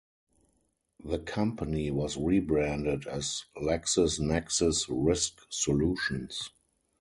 The company was rebranded as LexisNexis Risk Solutions.